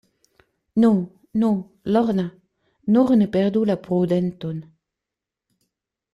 Nu, nu, Lorna, nur ne perdu la prudenton.